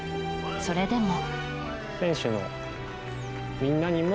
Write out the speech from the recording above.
それでも。